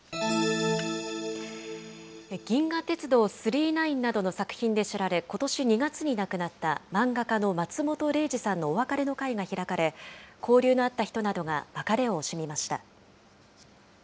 銀河鉄道９９９などの作品で知られ、ことし２月に亡くなった漫画家の松本零士さんのお別れの会が開かれ、交流のあった人などが別れを惜しみました。